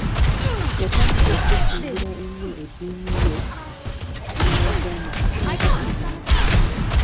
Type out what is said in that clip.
Yatandika okujumbira ennyo eddiini ye n'ava ku mwenge.